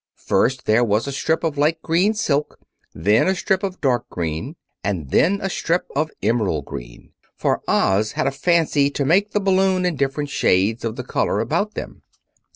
First there was a strip of light green silk, then a strip of dark green and then a strip of emerald green; for Oz had a fancy to make the balloon in different shades of the color about them.